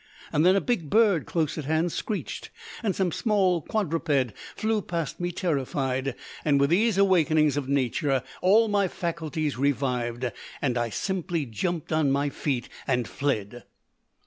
Then a big bird close at hand screeched, and some small quadruped flew past me terrified; and with these awakenings of nature all my faculties revived, and I simply jumped on my feet and fled!